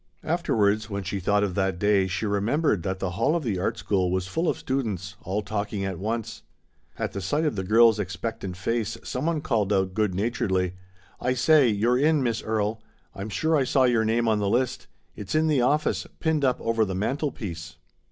Afterward when she thought of that day, she remembered that the hall of the Art School was full of students all talking at once. At the sight of the girl's expectant 120 THE STORY OF A MODERN WOMAN. face someone called out good naturedly, "I say, you're in, Miss Erie. I'm sure I saw your name on the list. It's in the office, pinned up over the mantelpiece."